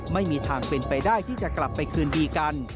ไม่มีทางเป็นไปได้ที่จะกลับไปคืนดีกัน